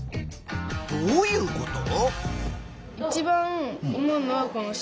どういうこと？